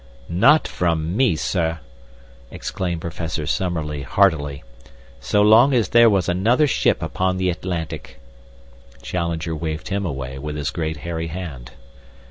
"Not from me, sir!" exclaimed Professor Summerlee, heartily. "So long as there was another ship upon the Atlantic." Challenger waved him away with his great hairy hand.